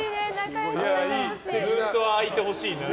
ずっとああいてほしいね。